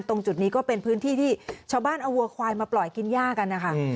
ตรงจุดนี้ก็เป็นพื้นที่ที่ชาวบ้านเอาวัวควายมาปล่อยกินย่ากันนะคะ